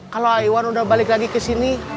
kalau aiwan udah balik lagi kesini